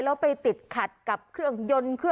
แล้วไปติดขัดกับเครื่องยนต์